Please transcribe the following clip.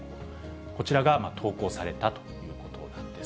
こちらが投稿されたということなんです。